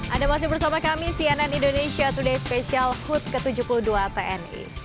anda masih bersama kami cnn indonesia today spesial hut ke tujuh puluh dua tni